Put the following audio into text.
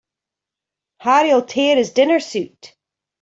Harry'll tear his dinner suit.